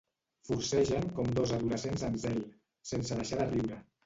Forcegen com dos adolescents en zel, sense deixar de riure.